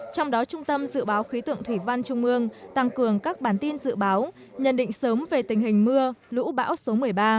trong đó trung tâm dự báo khí tượng thủy văn trung ương tăng cường các bản tin dự báo nhận định sớm về tình hình mưa lũ bão số một mươi ba